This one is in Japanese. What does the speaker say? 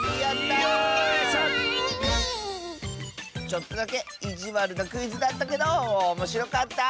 ちょっとだけいじわるなクイズだったけどおもしろかった。